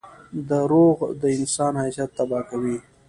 • دروغ د انسان حیثیت تباه کوي.